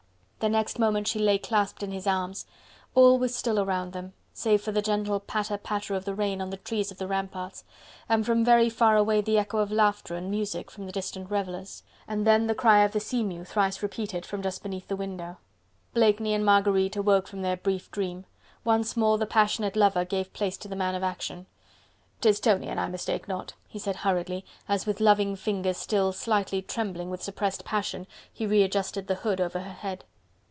The next moment she lay clasped in his arms. All was still around them, save for the gentle patter patter of the rain on the trees of the ramparts: and from very far away the echo of laughter and music from the distant revellers. And then the cry of the sea mew thrice repeated from just beneath the window. Blakeney and Marguerite awoke from their brief dream: once more the passionate lover gave place to the man of action. "'Tis Tony, an I mistake not," he said hurriedly, as with loving fingers still slightly trembling with suppressed passion, he readjusted the hood over her head.